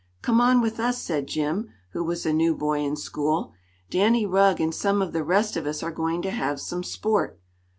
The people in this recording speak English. "Come on with us," said Jim, who was a new boy in school. "Danny Rugg and some of the rest of us are going to have some sport."